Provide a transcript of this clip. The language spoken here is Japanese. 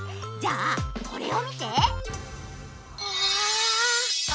じゃあこれを見て！